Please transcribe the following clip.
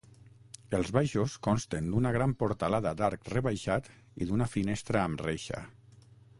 Els baixos consten d'una gran portalada d'arc rebaixat i d'una finestra amb reixa.